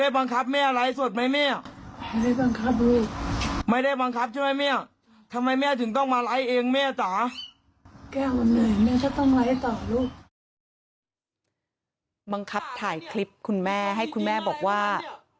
บังคับถ่ายคลิปคุณแม่ให้คุณแม่บอกว่า